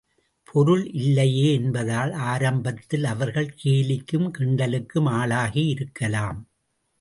பொருள் இல்லையே என்பதால், ஆரம்பத்தில் அவர்கள் கேலிக்கும் கிண்டலுக்கும் ஆளாகி இருக்கலாம்.